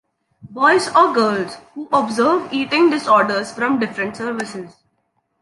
Boys or girls who observe eating disorders from different services.